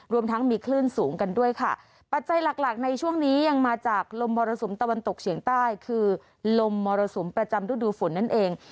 รวมทั้งมีคลื่นสูงกันด้วยค่ะปัจจัยหลักหลักในช่วงนี้ยังมาจากลมมรสุมตะวันตกเฉียงใต้คือลมมรสุมประจำฤดูฝนนั่นเอง